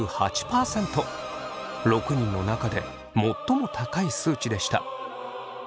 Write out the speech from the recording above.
６人の中で最も高い数値でした。